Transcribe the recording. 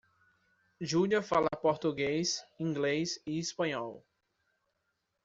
Júlia fala Português, Inglês e Espanhol.